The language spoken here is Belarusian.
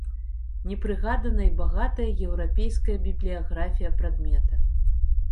Не прыгадана і багатая еўрапейская бібліяграфія прадмета.